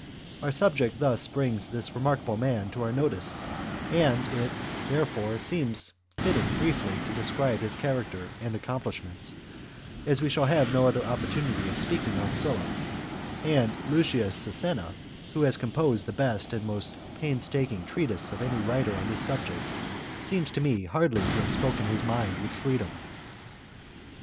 Our subject thus brings this remarkable man to our notice, and it, there fore, seems fitting briefly to describe his character and accomplishments, as we shall have no other oppor tunity of speaking on Sulla, and Lucius Sisenna, who has composed the best and most painstaking treatise of any writer on this subject, seems to me hardly to have spoken his mind with freedom.